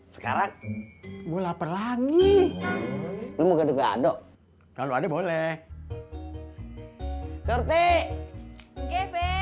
sekarang gue lapar lagi lu mau gede gede adek adek boleh serti gede